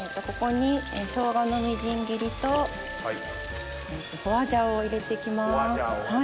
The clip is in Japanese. ここに生姜のみじん切りと花椒を入れて行きます。